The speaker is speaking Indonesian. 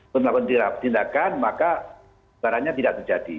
setelah penindakan maka sebarangnya tidak terjadi